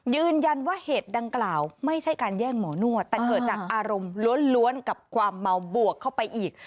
ยืนยันว่าเหตุดังกล่าวไม่ใช่การแย่งหมอนวดแต่เกิดจากอารมณ์ล้วนกับความเมาบวกเข้าไปอีก